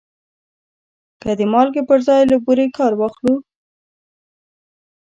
که د مالګې پر ځای له بورې کار واخلو.